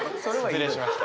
失礼しました。